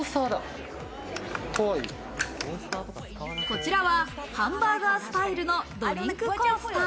こちらはハンバーガースタイルのドリンクコースター。